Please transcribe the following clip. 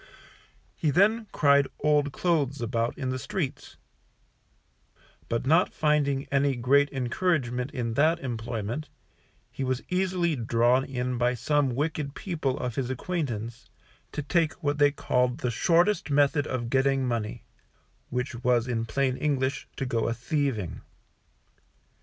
He then cried old clothes about the streets; but not finding any great encouragement in that employment, he was easily drawn in by some wicked people of his acquaintance, to take what they called the shortest method of getting money, which was in plain English to go a thieving.